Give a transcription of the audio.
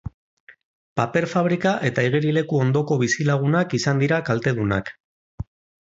Paper-fabrika eta igerileku ondoko bizilagunak izan dira kaltedunak.